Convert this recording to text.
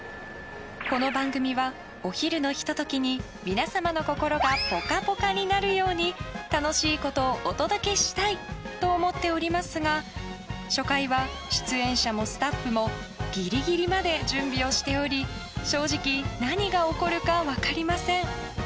この番組は、お昼のひと時に皆様の心がぽかぽかになるように楽しいことをお届けしたいと思っておりますが初回は出演者もスタッフもギリギリまで準備をしており正直何が起こるか分かりません。